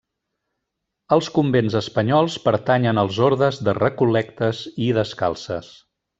Els convents espanyols pertanyen als ordes de recol·lectes i descalces.